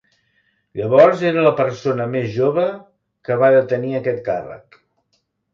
Llavors era la persona més jove que va detenir aquest càrrec.